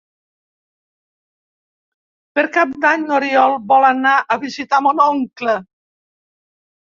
Per Cap d'Any n'Oriol vol anar a visitar mon oncle.